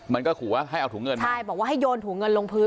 มันก็ขู่ว่าให้เอาถุงเงินใช่บอกว่าให้โยนถุงเงินลงพื้น